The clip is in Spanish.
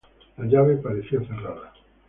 La llave parecía cerrada.